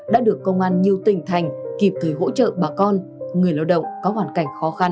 đã được công an nhiều tỉnh thành kịp thời hỗ trợ bà con người lao động có hoàn cảnh khó khăn